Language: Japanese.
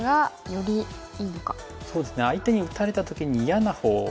相手に打たれた時に嫌なほう。